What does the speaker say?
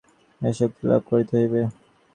এই শক্তি লাভ করিতে হইবে।